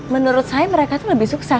menurut saya mereka itu lebih sukses